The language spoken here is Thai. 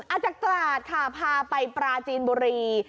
อาจจะตราดค่ะพาไปปราจีนบุรี